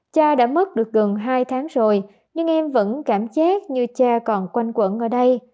cha đã mất được gần hai tháng rồi nhưng em vẫn cảm giác như cha còn quanh quẩn ở đây